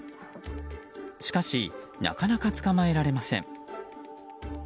しかしなかなか捕まえられません。